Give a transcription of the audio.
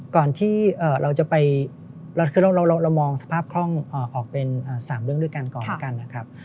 ก่อนที่เราจะไปคือเรามองสภาพคล่องออกเป็น๓เรื่องด้วยกันก่อนแล้วกันนะครับ